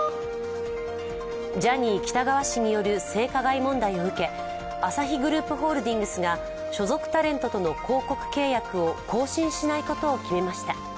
ジャニー喜多川氏による性加害問題を受けアサヒグループホールディングスが所属タレントとの広告契約を更新しないことを決めました。